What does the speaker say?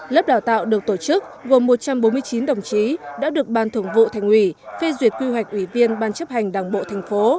lớp đào tạo được tổ chức gồm một trăm bốn mươi chín đồng chí đã được ban thưởng vụ thành ủy phê duyệt quy hoạch ủy viên ban chấp hành đảng bộ thành phố